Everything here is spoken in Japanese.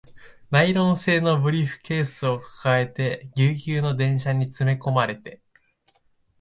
ナイロン製のブリーフケースを抱えて、ギュウギュウの電車に詰め込まれて